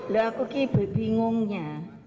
laku kek berbingungnya